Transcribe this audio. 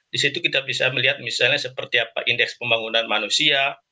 di situ kita bisa melihat misalnya seperti apa indeks pembangunan manusia